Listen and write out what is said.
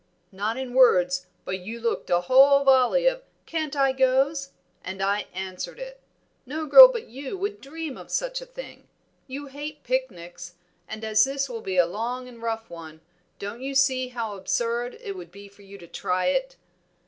"Not in words, but you looked a whole volley of 'Can't I goes?' and I answered it. No girl but you would dream of such a thing; you hate picnics, and as this will be a long and rough one, don't you see how absurd it would be for you to try it?"